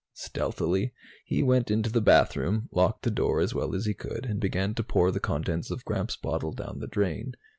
Stealthily, he went into the bathroom, locked the door as well as he could and began to pour the contents of Gramps' bottle down the drain.